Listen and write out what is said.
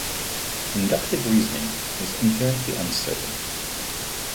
Inductive reasoning is inherently uncertain.